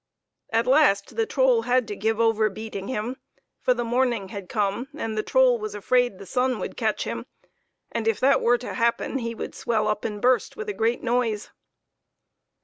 At last the troll had to give over beating him, for the morning had come and the troll was afraid the sun would catch him ; and if that were to happen, he would swell up and burst with a great noise.